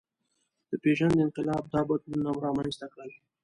د پېژند انقلاب دا بدلونونه رامنځ ته کړل.